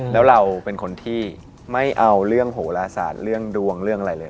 แล้วเราเป็นคนที่ไม่เอาเรื่องโหลศาสตร์เรื่องดวงเรื่องอะไรเลย